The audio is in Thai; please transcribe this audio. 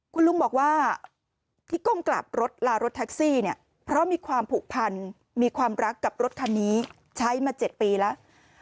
คุณลุงบอกว่าที่ก้มกลับรถลารถแท็กซี่เนี่ยเพราะมีความผูกพันมีความรักกับรถคันนี้ใช้มา๗ปีแล้ว